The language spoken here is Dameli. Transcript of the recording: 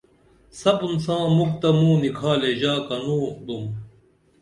سپُن ساں مُکھ تہ موں نکھالے ژا کنوں بُم